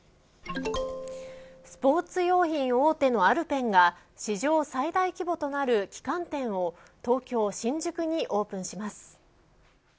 スポーツ用品大手のアルペンが史上最大規模となる旗艦店を東京、新宿にオープンします。